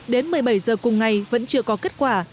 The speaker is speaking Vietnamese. đến một mươi bảy h cùng ngày vẫn chưa có kết quả